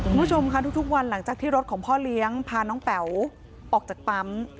คุณผู้ชมค่ะทุกวันหลังจากที่รถของพ่อเลี้ยงพาน้องแป๋วออกจากปั๊ม